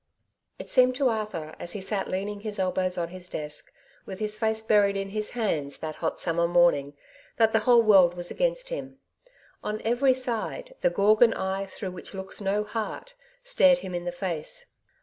It seemed to Arthur as he sat leaning his elbows on his desk, with his face buried in his hands that hot summer morning, that the whole world was against him. On every side '* the Gorgon eye, through which looks no heart,^^ stared him in the face.